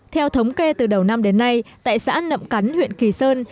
theo thống kê từ đầu năm đến nay tại xã nậm cắn huyện kỳ sơn